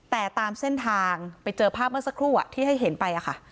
แต่ตามเส้นทางไปเจอภาพเมื่อสักครู่ที่ให้เห็นไปค่ะ